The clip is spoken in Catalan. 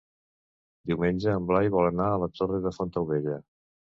Diumenge en Blai vol anar a la Torre de Fontaubella.